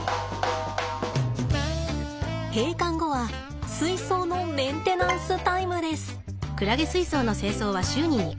閉館後は水槽のメンテナンスタイムです。